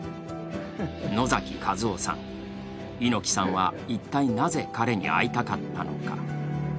野崎和夫さん、猪木さんは一体なぜ彼に会いたかったのか。